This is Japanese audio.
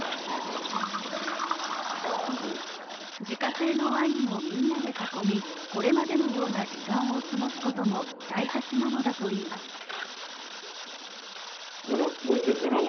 自家製のワインをみんなで囲み、これまでのような時間を過ごすことも大切なのだといいます。